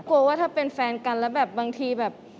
ว่าถ้าเป็นแฟนกันแล้วแบบบางทีแบบ